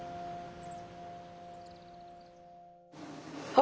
あ！